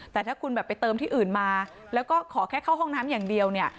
แต่ถ้าคุณแบบไปเติมที่อื่นมาแล้วก็ขอแค่เข้าห้องน้ำอย่างเดียวเนี่ย